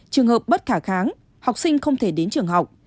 trường hợp bất khả kháng học sinh không thể đến trường học